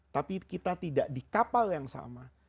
tapi kita tidak di kapal yang sama